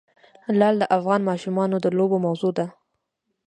لعل د افغان ماشومانو د لوبو موضوع ده.